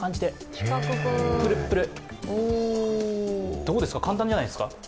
どうですか、簡単じゃないですか？